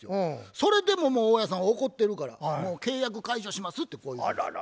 それでももう大家さんは怒ってるからもう契約解除しますってこう言うんです。